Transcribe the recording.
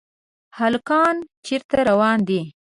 هلکان چېرته روان دي ؟